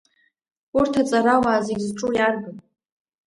Урҭ аҵарауаа зегьы зҿу иарбан?